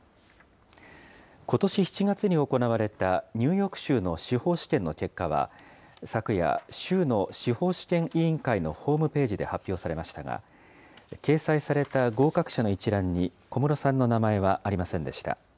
ことし７月に行われたニューヨーク州の司法試験の結果は、昨夜、州の司法試験委員会のホームページで発表されましたが、掲載された合格者の一覧に、小室さんの名前はありませんでした。